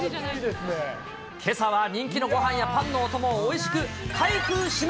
けさは人気のごはんやパンのお供をおいしく開封しま